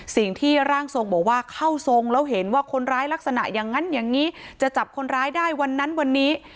สิ่งที่ร่างทรงบอกว่าเข้าทรงแล้วเห็นว่าคนร้ายลักษณะอย่างนั้นอย่างนี้จะจับคนร้ายได้วันนั้นวันนี้